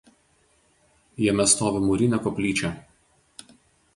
Jame stovi mūrinė koplyčia.